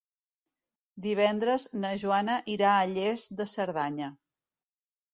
Divendres na Joana irà a Lles de Cerdanya.